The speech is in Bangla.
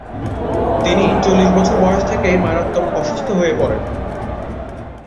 তিনি চল্লিশ বছর বয়স থেকেই মারাত্মক অসুস্থ হয়ে পড়েন।